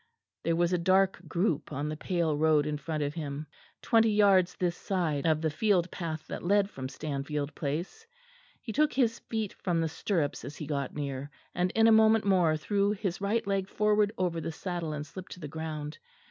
There was a dark group on the pale road in front of him, twenty yards this side of the field path that led from Stanfield Place; he took his feet from the stirrups as he got near, and in a moment more threw his right leg forward over the saddle and slipped to the ground.